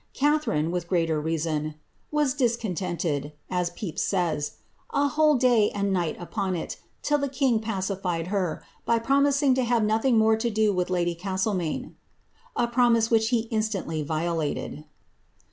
Catharine, with greater reason, ^' was disron tented,^' as Pepys says, ^^ a whole day and night upon it, till the king pacified her, by promising to have nothing more to do with lady Castlemaine,'' a promise which he instantly vio lated.